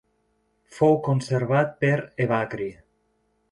Fou conservat per Evagri.